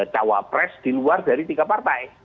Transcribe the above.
cawapres di luar dari tiga partai